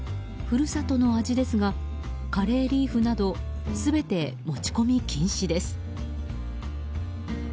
故郷の味ですがカレーリーフなど全て持ち込み禁止です。